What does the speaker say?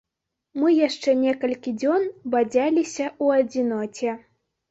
Мы яшчэ некалькі дзён бадзяліся ў адзіноце.